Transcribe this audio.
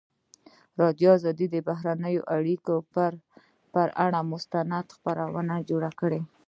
ازادي راډیو د بهرنۍ اړیکې پر اړه مستند خپرونه چمتو کړې.